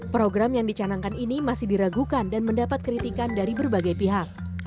program yang dicanangkan ini masih diragukan dan mendapat kritikan dari berbagai pihak